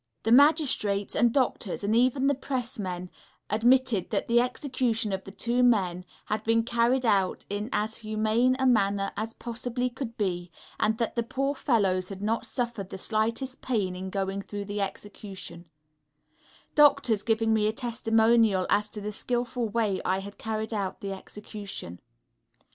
The magistrates, and doctors, and even the pressmen, admitted that the execution of the two men had been carried out in an humane manner as possibly could be, and that the poor fellows had not suffered the slightest pain in going through the execution; doctors giving me a testimonial as to the skilful way I had carried out the execution.